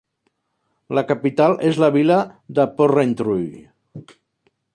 La capital és la vila de Porrentruy.